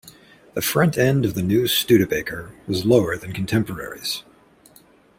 The front end of the new Studebaker was lower than contemporaries.